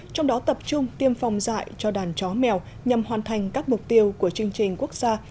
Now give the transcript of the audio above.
trong đó tập trung tiêm phòng dạy cho đàn chó mèo nhằm hoàn thành các mục tiêu của chương trình quốc gia